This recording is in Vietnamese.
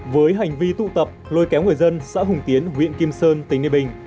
với hành vi thu thập lôi kéo người dân xã hùng tiến huyện kim sơn tỉnh ninh bình